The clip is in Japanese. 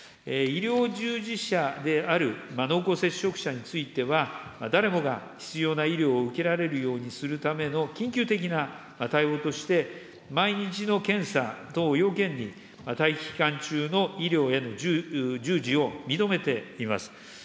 医療従事者である濃厚接触者については、誰もが必要な医療を受けられるようにするための緊急的な対応として、毎日の検査等要件に、待機期間中の医療への従事を認めています。